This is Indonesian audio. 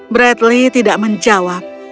bradley tidak menjawab